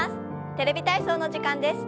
「テレビ体操」の時間です。